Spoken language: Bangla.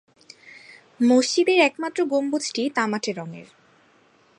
মসজিদের একমাত্র গম্বুজটি তামাটে রঙের।